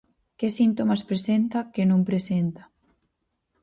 Que síntomas presenta, que non presenta.